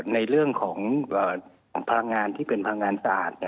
ในเรื่องของพลังงานที่เป็นพลังงานสะอาด